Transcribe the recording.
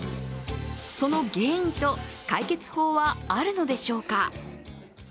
その原因と解決法はあるのでしょうか。